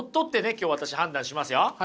今日私判断しますよ。